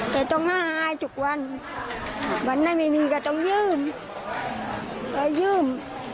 เธอต้องห้าหายทุกวันวันนั้นไม่มีก็ต้องยืมแล้วยืม